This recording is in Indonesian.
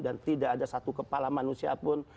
dan tidak ada satu kepala manusia pun